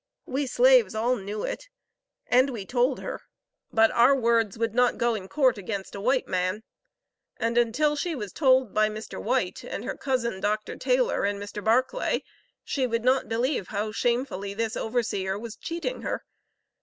We slaves all knew it, and we told her; but our words would not go in court against a white man, and until she was told by Mr. White, and her cousin, Dr. Taylor, and Mr. Barclay, she would not believe how shamefully this overseer was cheating her.